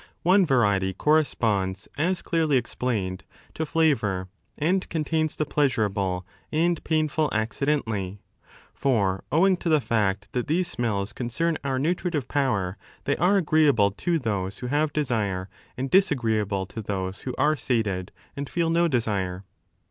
One variety corresponds, as clearly ^ The agreeable and disagreeable. 174 Aristotle's psychology Digsmu explained, to flavour, and contains the pleasurable and painful accidentally. For owing to the fact that these smells concern our nutritive power, thej are agreeable to those who have desire and disagreeable to those who are sated and feel no desire.